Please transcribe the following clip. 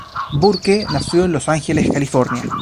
Burke nació en Los Ángeles, California.